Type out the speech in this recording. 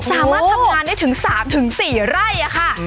สามารถทำงานได้ถึง๓๔ไร่ค่ะ